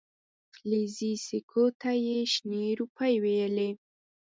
فلزي سکو ته یې شنې روپۍ ویلې.